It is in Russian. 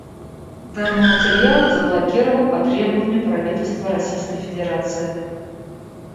Данный материал заблокирован по требованию Правительства Российской Федерации.